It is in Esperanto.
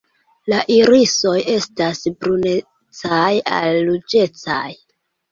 La irisoj estas brunecaj al ruĝecaj.